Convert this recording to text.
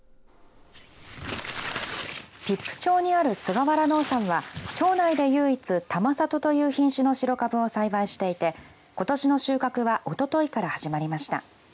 比布町にある菅原農産は町内で唯一玉里という品種の白かぶを栽培していてことしの収穫はおとといから始まりました。